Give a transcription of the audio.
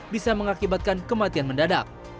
bisa mengakibatkan kematian mendadak